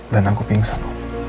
dan aku pingsan